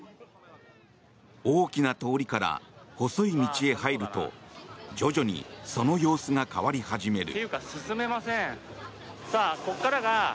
大きな通りから細い道へ入ると徐々にその様子が変わり始める。